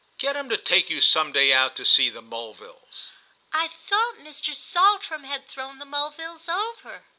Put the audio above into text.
"Get him to take you some day out to see the Mulvilles." "I thought Mr. Saltram had thrown the Mulvilles over."